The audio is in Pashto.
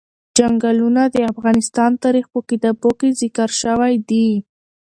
چنګلونه د افغان تاریخ په کتابونو کې ذکر شوی دي.